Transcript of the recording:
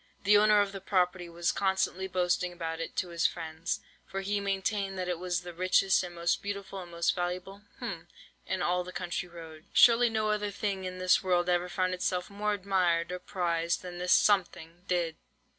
The owner of the property was constantly boasting about it to his friends, for he maintained that it was the richest, and most beautiful, and most valuable—hm—in all the country round. Surely no other thing in this world ever found itself more admired or prized than this something did.